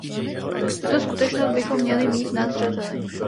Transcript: Tuto skutečnost bychom měli mít na zřeteli.